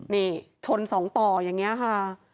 นี่ชน๒ต่ออย่างนี้ค่ะ